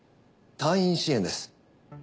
退院支援です。